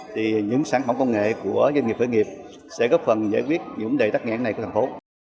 thì những sản phẩm công nghệ của doanh nghiệp khởi nghiệp sẽ góp phần giải quyết vấn đề tắc nghẽn này của thành phố